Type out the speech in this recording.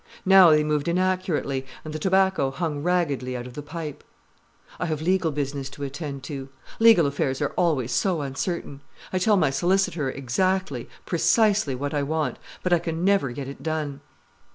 Now they moved inaccurately, and the tobacco hung raggedly out of the pipe. "I have legal business to attend to. Legal affairs are always so uncertain. I tell my solicitor exactly, precisely what I want, but I can never get it done."